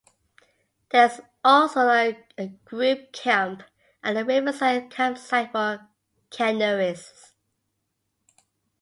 There is also a group camp and a riverside campsite for canoeists.